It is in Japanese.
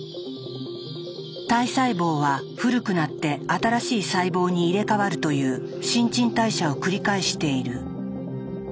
体細胞は古くなって新しい細胞に入れ代わるという新陳代謝を繰り返している。